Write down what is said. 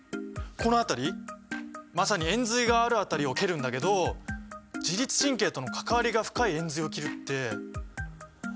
この辺りまさに延髄がある辺りを蹴るんだけど自律神経との関わりが深い延髄を斬るって恐ろしい技だな！